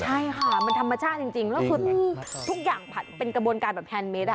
ใช่ค่ะมันธรรมชาติจริงแล้วคือทุกอย่างผัดเป็นกระบวนการแบบแฮนเมส